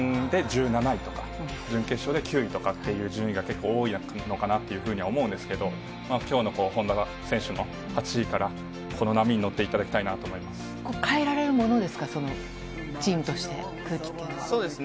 そうですね、予選で１７位とか、準決勝で９位とかっていう順位が結構多いのかなっていうふうには思うんですけど、きょうの本田選手の８位から、この波に乗っていただきたいなと変えられるものですか、そのチームとして、空気というのは。